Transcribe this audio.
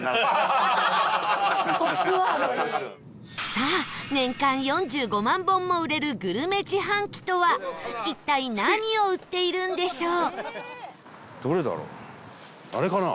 さあ、年間４５万本も売れるグルメ自販機とは一体、何を売っているんでしょう？